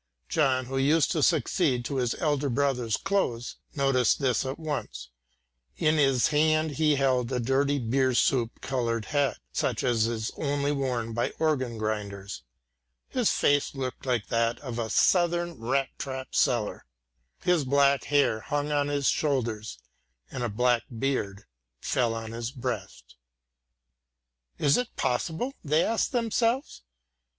John, who used to succeed to his elder brother's clothes, noticed this at once. In his hand he held a dirty beer soup coloured hat, such as is only worn by organ grinders. His face looked like that of a southern rat trap seller. His black hair hung on his shoulders and a black beard fell on his breast. "Is it possible?" they asked themselves.